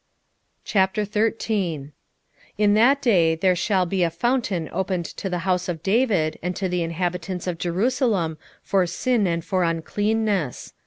13:1 In that day there shall be a fountain opened to the house of David and to the inhabitants of Jerusalem for sin and for uncleanness.